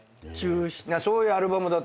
そういうアルバムだった。